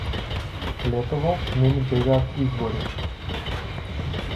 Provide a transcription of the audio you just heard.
Летово не ни бегаат избори